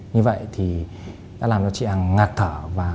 như vậy thì đã làm cho chị hằng ngạc thở